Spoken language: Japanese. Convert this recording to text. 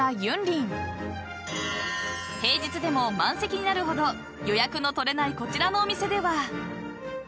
［平日でも満席になるほど予約の取れないこちらのお店では］